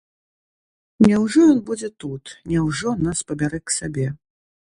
Няўжо ён будзе тут, няўжо нас пабярэ к сабе?